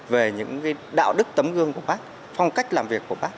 về những đạo đức tấm gương của bác phong cách làm việc của bác